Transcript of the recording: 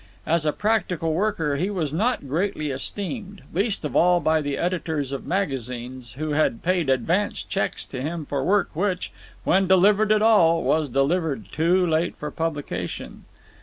As a practical worker he was not greatly esteemed—least of all by the editors of magazines, who had paid advance cheques to him for work which, when delivered at all, was delivered too late for publication.